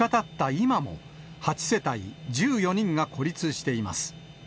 今も、８世帯１４人が孤立しています。